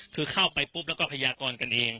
คือเข้าไปปุ๊บแล้วก็พยากรกันเอง